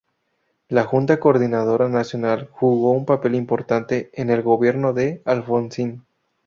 La Junta Coordinadora Nacional jugó un papel importante en el gobierno de Alfonsín.